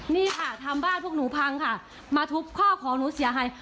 นี่ค่ะทำบ้านพวกหนูพังค่ะมาทุบข้อของหนูเสียหาย